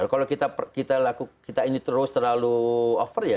kalau kita lakukan kita ini terus terlalu over ya